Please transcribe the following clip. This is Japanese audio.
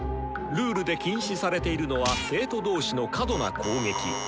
ルールで禁止されているのは生徒同士の過度な攻撃！